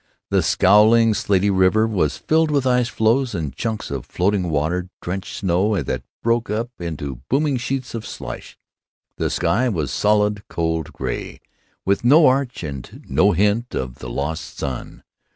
The scowling, slatey river was filled with ice floes and chunks of floating, water drenched snow that broke up into bobbing sheets of slush. The sky was solid cold gray, with no arch and no hint of the lost sun.